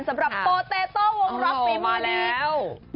สำหรับโปเตโต้วงร็อกปีมือดี